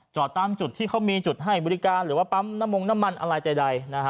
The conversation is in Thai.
จอดตามจุดที่เขามีจุดให้บริการหรือว่าปั๊มน้ำมงน้ำมันอะไรใด